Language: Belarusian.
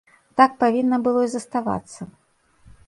Так павінна было і заставацца.